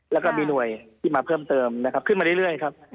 แล้วก็มีหน่วยที่มาเพิ่มเติมนะครับขึ้นมาเรื่อยครับ